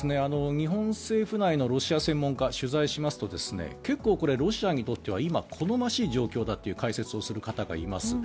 日本政府内のロシア専門家に取材しますと結構これ、ロシアにとっては今、好ましい状況だという解説をする方がいます。